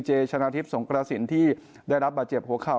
ชนะทิพย์สงกระสินที่ได้รับบาดเจ็บหัวเข่า